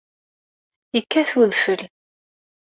Yekkat udfel.